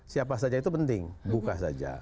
siapa saja itu penting buka saja